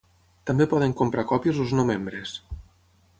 També poden comprar còpies els no membres.